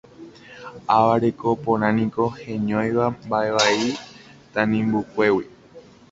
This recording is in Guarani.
Ava reko porãniko heñóiva mba'evai tanimbukuégui